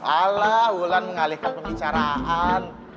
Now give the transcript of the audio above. alah ulan mengalihkan pembicaraan